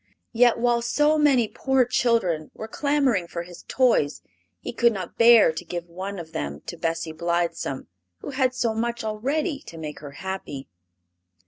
Yet, while so many poor children were clamoring for his toys he could not bear to give one to them to Bessie Blithesome, who had so much already to make her happy.